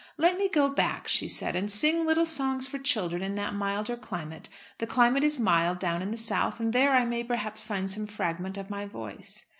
"Let me go back," she said, "and sing little songs for children in that milder climate. The climate is mild down in the South, and there I may, perhaps, find some fragment of my voice."